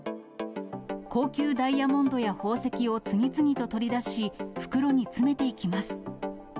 高級ダイヤモンドや宝石を次々と取り出し、袋に詰めていきます。